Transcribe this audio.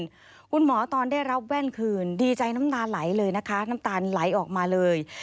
คุณหมอตอนได้รับแว่นคืนดีใจน้ำตาไหลเลยนะคะน้ำตาลไหลออกมาเลย